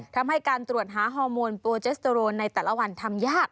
ทำให้การตรวจหาฮอร์โมนโปรเจสโตโรนในแต่ละวันทำยาก